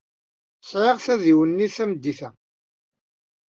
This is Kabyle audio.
Sɛiɣ tadiwennit tameddit-a.